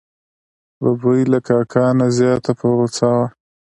ببۍ له کاکا نه زیاته په غوسه وه.